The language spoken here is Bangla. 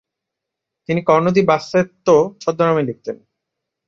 তিনি কর্নো দি বাসসেত্তো ছদ্মনামে লিখতেন।